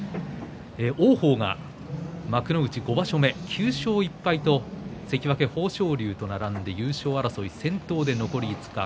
王鵬が幕内５場所目９勝１敗とし関脇豊昇龍と並んで優勝争い先頭で残り５日。